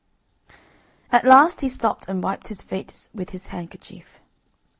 At last he stopped and wiped his face with his handkerchief.